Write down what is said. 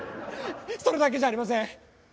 それだけじゃありません。